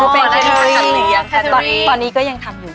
อ๋อตอนนี้ก็ยังทำอยู่